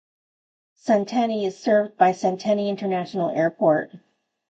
Sentani is served by Sentani International Airport.